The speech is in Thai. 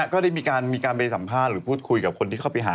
ก็ได้มีการไปสัมภาษณ์หรือพูดคุยกับคนที่เข้าไปหา